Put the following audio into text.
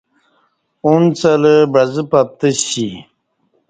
ا نڅہ لہ بعزہ پَپتسی